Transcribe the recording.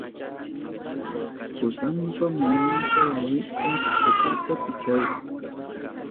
Kusanpa mamanka kawitu ukuta pichahurka.